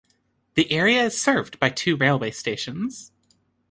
The area is served by two railway stations.